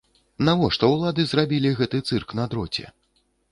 Навошта ўлады зрабілі гэты цырк на дроце?